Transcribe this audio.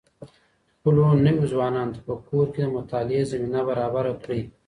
خپلو نويو ځوانانو ته په کور کي د مطالعې زمينه برابره کړئ.